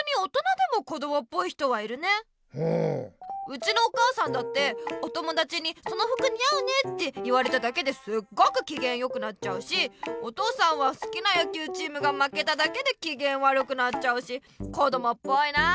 うちのお母さんだってお友だちに「そのふくにあうね」って言われただけですっごくきげんよくなっちゃうしお父さんはすきなやきゅうチームがまけただけできげんわるくなっちゃうしこどもっぽいなって思うよ。